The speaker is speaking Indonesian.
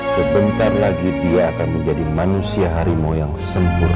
sebentar lagi dia akan menjadi manusia harimau yang sempurna